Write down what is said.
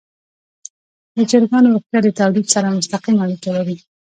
د چرګانو روغتیا د تولید سره مستقیمه اړیکه لري.